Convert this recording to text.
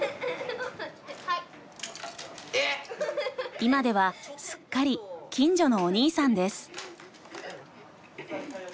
今ではすっかり近所のお兄さんです。